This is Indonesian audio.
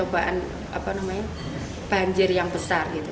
berikan cobaan banjir yang besar